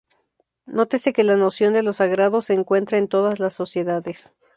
Nótese que la noción de lo sagrado se encuentra en todas las sociedades.